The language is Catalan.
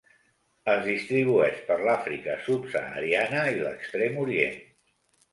Es distribueix per l'Àfrica subsahariana i l'Extrem Orient.